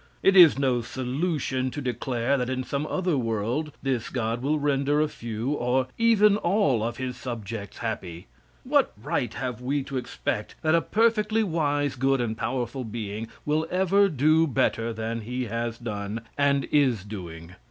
It is no solution to declare that in some other world this god will render a few or even all of his subjects happy. What right have we to expect that a perfectly wise, good and powerful being will ever do better than he has done, and is doing?